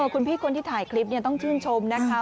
คุณพี่คนที่ถ่ายคลิปต้องชื่นชมนะคะ